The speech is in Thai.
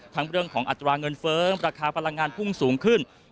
เรื่องของอัตราเงินเฟ้องราคาพลังงานพุ่งสูงขึ้น